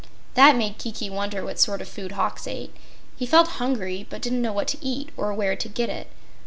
That made Kiki wonder what sort of food hawks ate. He felt hungry, but didn't know what to eat or where to get it.